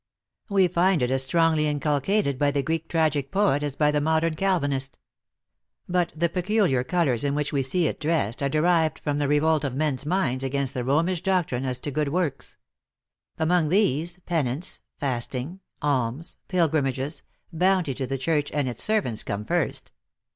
We find it as strong ly inculcated by the Greek tragic poet, as by the modern Calvinist. But the peculiar colors in which we see it dressed, are derived from the revolt of men s minds against the Romish doctrine as to good works. Among these, penance, fasting, alms, pilgrimages, bounty to the church and its servants, come first.